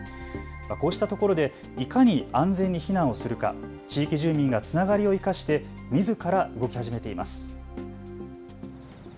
こうしたところでいかに安全に避難をするか地域住民がつながりを生かしてみずから動き始めています。